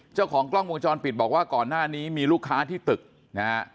เจ้าของกล้องวงจรปิดบอกว่าก่อนหน้านี้มีลูกค้าที่ตึกนะฮะ